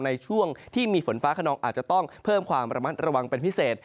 ในช่วงที่มีฝนฟ้าขนองอาจจะต้องเพิ่มความระมัดระวังเป็นพิเศษ